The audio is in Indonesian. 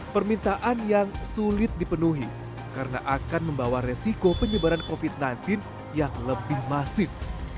permintaan yang sulit dipenuhi karena akan membawa resiko penyebaran covid sembilan belas yang lebih masif